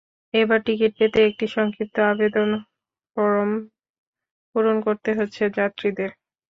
এবার টিকিট পেতে একটি সংক্ষিপ্ত আবেদন ফরম পূরণ করতে হচ্ছে যাত্রীদের।